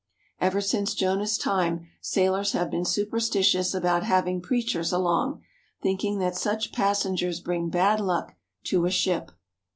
Ever since Jonah's time sailors have been superstitious about having preachers along, thinking that such passengers bring bad luck to a ship.